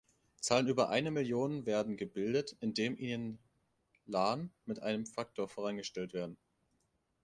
Zahlen über einer Million werden gebildet, indem ihnen "lan" mit einem Faktor vorangestellt werden.